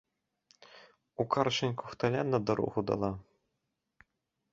У каршэнь кухталя на дарогу дала.